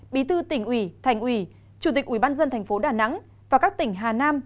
bí tư tỉnh ủy thành ủy chủ tịch ủy ban dân thành phố đà nẵng và các tỉnh hà nam